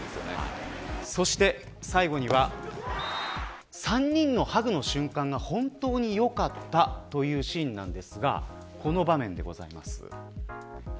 そして最後には３人のハグの瞬間が本当に良かったというシーンなんですがこの場面です。